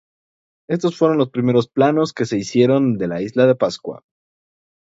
Estos fueron los primeros planos que se hicieron de la isla de Pascua.